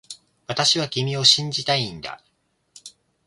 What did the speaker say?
私は君を信じたいんだ